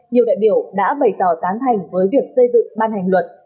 nhiều đại biểu đã bày tỏ tán thành với việc xây dựng ban hành luật